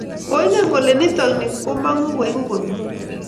Koingen kole nitok ni ko mangu koiku komnye?